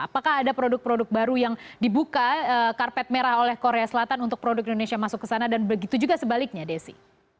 apakah ada produk produk baru yang dibuka karpet merah oleh korea selatan untuk produk indonesia masuk ke sana dan begitu juga sebaliknya desi